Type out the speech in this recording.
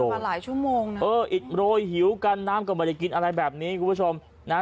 มาหลายชั่วโมงนะเอออิดโรยหิวกันน้ำก็ไม่ได้กินอะไรแบบนี้คุณผู้ชมนะฮะ